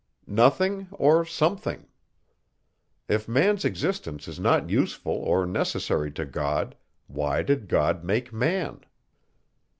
Nothing, or something? If man's existence is not useful or necessary to God, why did God make man?